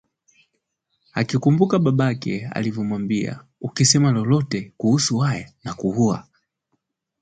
Akikumbuka babake alivyomwambia, “Ukisema lolote kuhusu haya nakuua